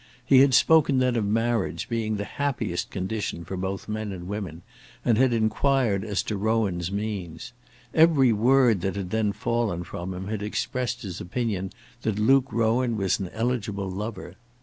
He had spoken then of marriage being the happiest condition for both men and women, and had inquired as to Rowan's means. Every word that had then fallen from him had expressed his opinion that Luke Rowan was an eligible lover.